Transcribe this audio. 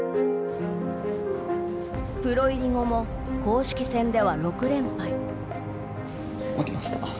プロ入り後も公式戦では６連敗。